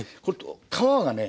皮がね